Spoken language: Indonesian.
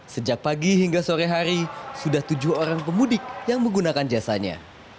sejak pagi hingga sore hari sudah tujuh orang pemudik yang menggunakan jasanya